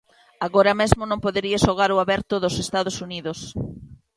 Agora mesmo non podería xogar o Aberto dos Estados Unidos.